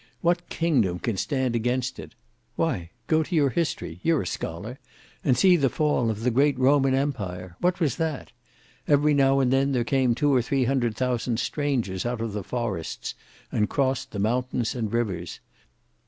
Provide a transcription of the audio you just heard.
What kingdom can stand against it? Why go to your history—you're a scholar,—and see the fall of the great Roman empire—what was that? Every now and then, there came two or three hundred thousand strangers out of the forests and crossed the mountains and rivers.